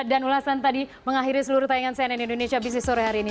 dan ulasan tadi mengakhiri seluruh tayangan cnn indonesia bisnis sore hari ini